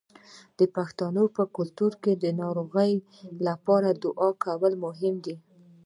د پښتنو په کلتور کې د ناروغ لپاره دعا کول مهم دي.